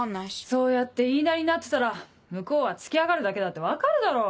そうやって言いなりになってたら向こうはつけ上がるだけだって分かるだろ？